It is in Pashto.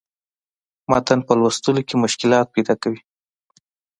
متن پۀ لوست کښې مشکلات پېدا کوي